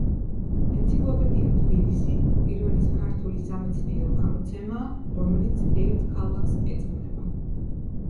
ენციკლოპედია „თბილისი“ პირველი ქართული სამეცნიერო გამოცემაა, რომელიც ერთ ქალაქს ეძღვნება.